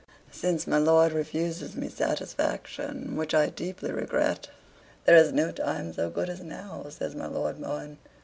"Since my Lord refuses me satisfaction, which I deeply regret, there is no time so good as now," says my Lord Mohun.